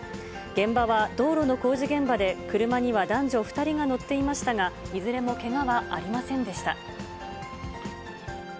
現場は道路の工事現場で、車には男女２人が乗っていましたが、いずれもけがはありませんでした。